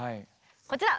こちら！